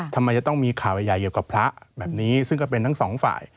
ทำไมจะต้องมีข่าวใหญ่เกี่ยวกับพระแบบนี้ซึ่งก็เป็นทั้งสองฝ่าย